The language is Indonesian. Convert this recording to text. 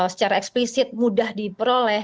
secara eksplisit mudah diperoleh